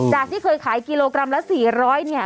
ที่เคยขายกิโลกรัมละ๔๐๐เนี่ย